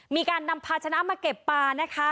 มีการนำพาชนะมาเก็บปลานะคะ